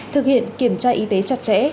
thực hiện kiểm tra y tế chặt chẽ